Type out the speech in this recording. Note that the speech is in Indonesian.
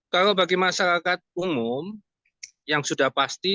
kalau bagi masyarakat umum yang sudah pasti